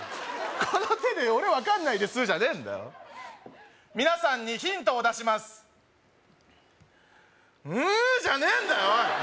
この手で「俺分かんないです」じゃねえんだよ皆さんにヒントを出します「う」じゃねえんだよおい！